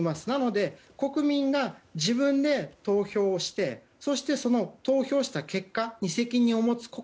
なので、国民が自分で投票をしてそして、その投票した結果に責任を持つ。